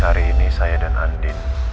hari ini saya dan andin